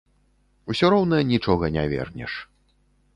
Усё роўна нічога не вернеш.